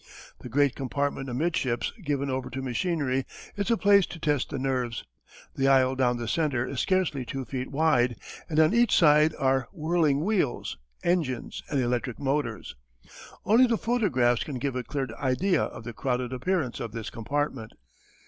The great compartment amidships given over to machinery is a place to test the nerves. The aisle down the centre is scarcely two feet wide and on each side are whirling wheels, engines, and electric motors. Only the photographs can give a clear idea of the crowded appearance of this compartment.